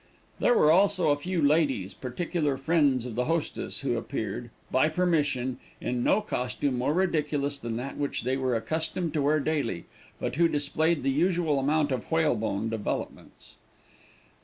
There were also a few ladies, particular friends of the hostess, who appeared, by permission, in no costume more ridiculous than that which they were accustomed to wear daily, but who displayed the usual amount of whalebone developments.